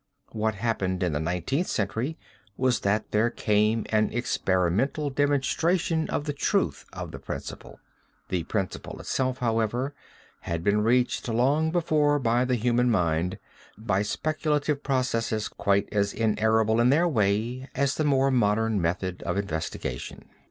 What happened in the Nineteenth Century was that there came an experimental demonstration of the truth of the principle. The principle itself, however, had been reached long before by the human mind by speculative processes quite as inerrable in their way as the more modern method of investigation.